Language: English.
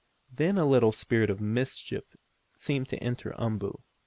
Then a little spirit of mischief seemed to enter Umboo.